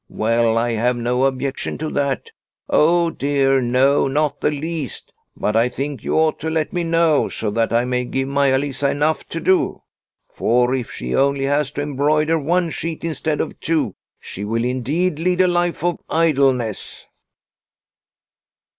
Well, I have no objection to that ; oh, dear, no, not the least, but I think you ought to let me know, so that I may give Maia Lisa enough to do. For if she only has to embroider one sheet instead of two she will indeed lead a life of idleness."